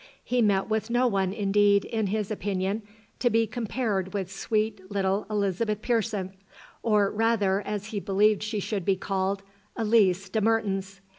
He met with no one indeed, in his opinion, to be compared with sweet little Elizabeth Pearson, or rather, as he believed she should be called, Elise de Mertens.